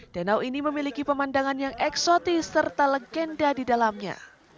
danau ini memiliki pemandangan yang eksotis serta legenda di dalamnya